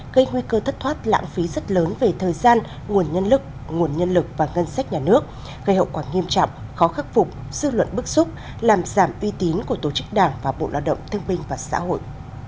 gây nguy cơ thất thoát lãng phí rất lớn về thời gian nguồn nhân lực nguồn nhân lực và ngân sách nhà nước gây hậu quả nghiêm trọng khó khắc phục dư luận bức xúc làm giảm uy tín của tổ chức đảng và bộ lao động thương minh và xã hội